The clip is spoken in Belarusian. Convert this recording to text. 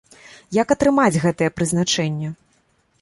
Як атрымаць гэтае прызначэнне?